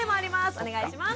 お願いします。